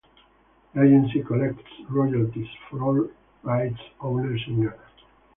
The agency collects royalties for all rights owners in Ghana.